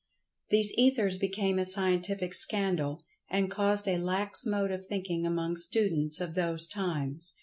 These Ethers became a scientific scandal, and caused a lax mode of thinking among students of those times.